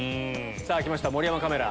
きました盛山カメラ。